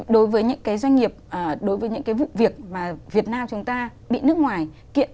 đối với những doanh nghiệp đối với những vụ việc mà việt nam chúng ta bị nước ngoài kiện